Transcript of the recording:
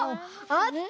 あった！